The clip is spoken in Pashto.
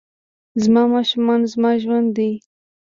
زما ماشومان زما ژوند دي